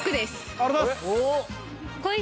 ありがとうございます。